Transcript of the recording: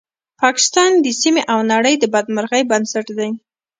پاکستان د سیمې او نړۍ د بدمرغۍ بنسټ دی